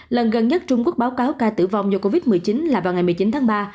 lần gần nhất trung quốc báo cáo ca tử vong do covid một mươi chín là vào ngày một mươi chín tháng ba